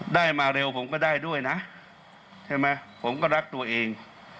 ได้มาเร็วผมก็ได้ด้วยนะใช่ไหมผมก็รักตัวเอง